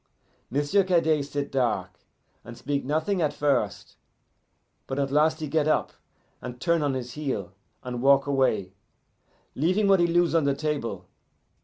M'sieu' Cadet sit dark, and speak nothing at first, but at last he get up and turn on his heel and walk away, leaving what he lose on the table.